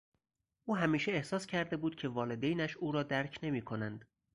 او همیشه احساس کرده بود که والدینش او را درک نمیکنند.